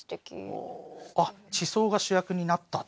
あっ地層が主役になった！